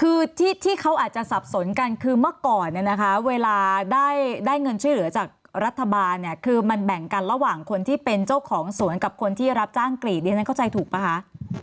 คือที่เขาอาจจะสับสนกันคือเมื่อก่อนเนี่ยนะคะเวลาได้เงินช่วยเหลือจากรัฐบาลเนี่ยคือมันแบ่งกันระหว่างคนที่เป็นเจ้าของสวนกับคนที่รับจ้างกรีดดิฉันเข้าใจถูกป่ะคะ